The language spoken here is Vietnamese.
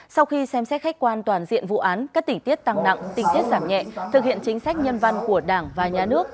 sau khi xem xét khách quan toàn diện vụ án các tỉnh tiết tăng nặng tình tiết giảm nhẹ thực hiện chính sách nhân văn của đảng và nhà nước